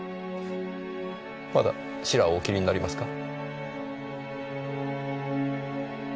まだシラをお切りになりますか？